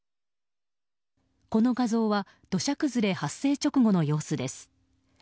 この画像は土砂崩れ発生直後の様子です。